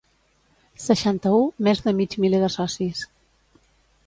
Seixanta-u més de mig miler de socis.